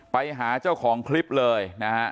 ไปหาเจ้าของคลิปเลย